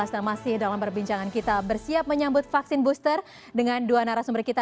dan masih dalam perbincangan kita bersiap menyambut vaksin booster dengan dua narasumber kita